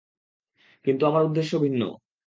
কিন্তু আমার উদ্দেশ্য ভিন্ন।